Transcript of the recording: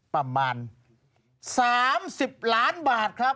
ประมาณ๓๐ล้านบาทครับ